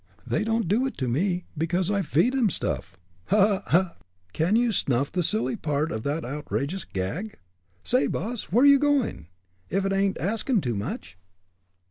They don't do it to me, because I feed 'em snuff. Ha! ha! can you snuff the silly part of that outrageous gag? Say, boss, where you going, ef it ain't askin' too much?"